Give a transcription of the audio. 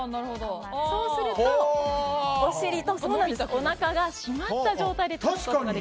そうすると、お尻とおなかが締まった状態で確かに！